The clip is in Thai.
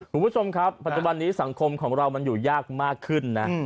คุณผู้ชมครับปัจจุบันนี้สังคมของเรามันอยู่ยากมากขึ้นนะ